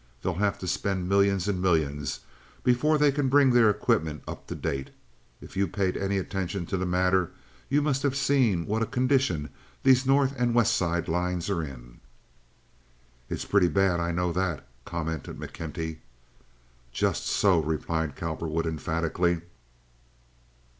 They'll have to spend millions and millions before they can bring their equipment up to date. If you've paid any attention to the matter you must have seen what a condition these North and West Side lines are in." "It's pretty bad; I know that," commented McKenty. "Just so," replied Cowperwood, emphatically.